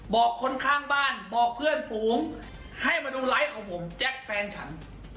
บอกคนข้างบ้านบอกเพื่อนฝูงให้มาดูไลฟ์ของผมแจ็คแฟนฉัน